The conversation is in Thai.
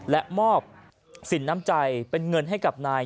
และมอบสินน้ำใจเป็นเงินให้กับนาย